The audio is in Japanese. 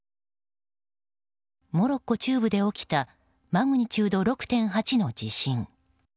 モロッコ中部で起きたマグニチュード６．８の地震。